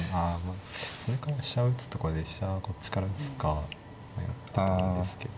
あそれから飛車打つとかで飛車をこっちから打つか迷ったんですけど。